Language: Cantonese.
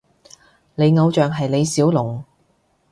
你偶像係李小龍？